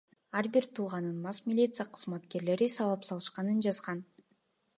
Ал бир тууганын мас милиция кызматкерлери сабап салышканын жазган.